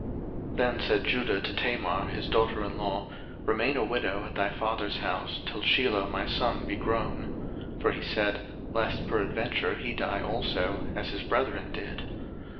01:038:011 Then said Judah to Tamar his daughter in law, Remain a widow at thy father's house, till Shelah my son be grown: for he said, Lest peradventure he die also, as his brethren did.